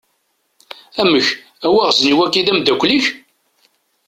Amek, awaɣzeniw-agi d ameddakel-ik?